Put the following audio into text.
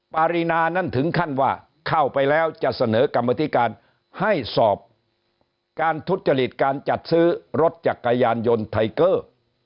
ปารีนานั้นถึงขั้นว่าเข้าไปแล้วจะเสนอกรรมธิการให้สอบการทุจริตการจัดซื้อรถจักรยานยนต์ไทเกอร์